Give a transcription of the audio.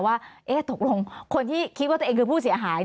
ว่าตกลงคนที่คิดว่าตัวเองคือผู้เสียหาย